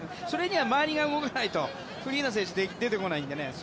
それには周りが動かないとフリーの選手が出てこないのでね